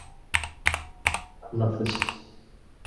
他们的父亲一般认为是生主迦叶波。